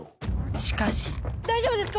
しかし大丈夫ですか？